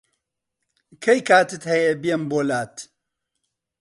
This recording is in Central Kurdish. کەی کاتت هەیە بێم بۆلات؟